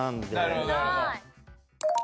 なるほど。